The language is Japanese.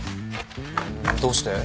どうして？